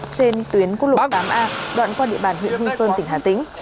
trên tuyến quốc lộ tám a đoạn qua địa bàn huyện hương sơn tỉnh hà tĩnh